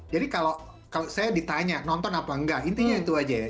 jadi kalau saya ditanya nonton apa enggak intinya itu aja ya